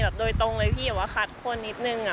แบบโดยตรงเลยพี่แบบว่าคัดคนนิดนึง